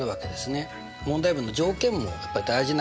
問題文の条件もやっぱり大事なことなわけです。